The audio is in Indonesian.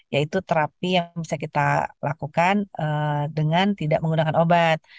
yaitu terapi yang bisa kita lakukan dengan tidak menggunakan obat